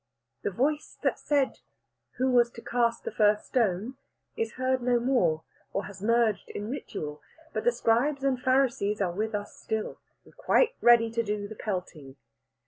The voice that said who was to cast the first stone is heard no more, or has merged in ritual. But the Scribes and Pharisees are with us still, and quite ready to do the pelting.